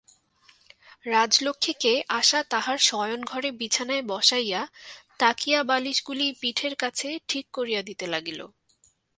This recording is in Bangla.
রাজলক্ষ্মীকে আশা তাঁহার শয়নঘরে বিছানায় বসাইয়া, তাকিয়াবালিশগুলি পিঠের কাছে ঠিক করিয়া দিতে লাগিল।